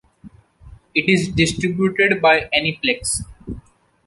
It is distributed by Aniplex.